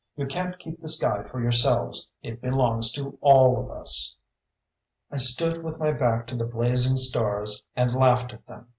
You can't keep the sky for yourselves. It belongs to all of us." I stood with my back to the blazing stars and laughed at them.